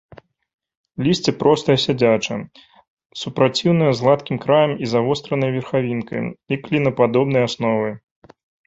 Лісце простае, сядзячае, супраціўнае, з гладкім краем і завостранай верхавінкай і клінападобнай асновай.